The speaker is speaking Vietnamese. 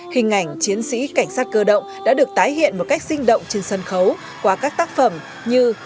hình ảnh chiến sĩ cảnh sát cơ động đã được tái hiện một cách sinh động trên sân khấu qua các tác phẩm như